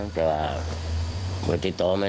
กังวลหมด